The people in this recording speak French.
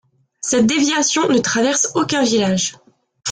Cette déviation ne traverse aucun village.